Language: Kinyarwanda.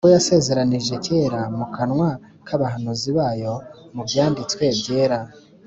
ubwo yasezeranije kera mu kanwa k’abahanuzi bayo mu byanditswe byera,